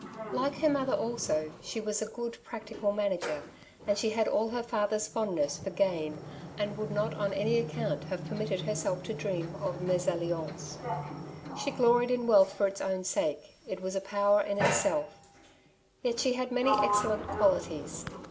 Like her mother, alao, ^Vi<^ 1 56 " Two Sides to every Question^ was a good practical manager, and she had all her father's fondness for gain, and would not on any account have permitted herself to dream of mei alliance. She gloried in wealth for its own sake, it was a power in itself. Yet she had many excellent qualities.